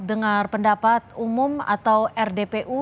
dengar pendapat umum atau rdpu